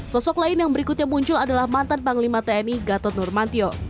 sosok lain yang berikutnya muncul adalah mantan panglima tni gatot nurmantio